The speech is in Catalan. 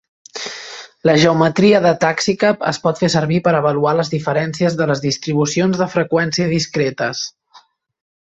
La geometria de Taxicab es pot fer servir per avaluar les diferències de les distribucions de freqüència discretes.